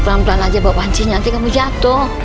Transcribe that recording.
pelan pelan aja bawa pancinya nanti kamu jatuh